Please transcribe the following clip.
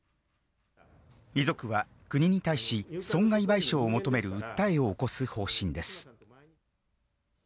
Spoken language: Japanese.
遺族は国に対し、損害賠償を求める訴えを起こす方針です。